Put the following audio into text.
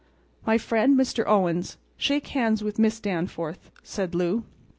"My friend, Mr. Owens—shake hands with Miss Danforth," said Lou.